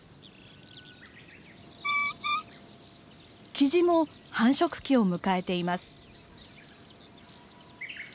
キジも繁殖期を迎えています。